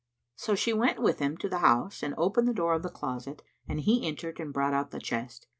So she went with him to the house and opened the door of the closet, and he entered and brought out the chest.